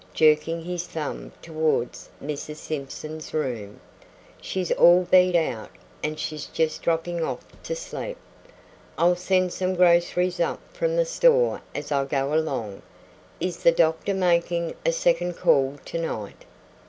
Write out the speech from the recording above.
jerking his thumb towards Mrs. Simpson's room; "she's all beat out and she's just droppin' off to sleep. I'll send some groceries up from the store as I go along. Is the doctor makin' a second call tonight?"